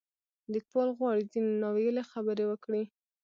لیکوال غواړي ځینې نا ویلې خبرې وکړي.